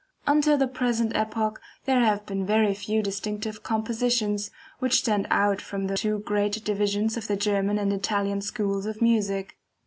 Until the present epoch there have been very few distinctive compositions, which stand out from the two great divisions of the German and Italian schools of music.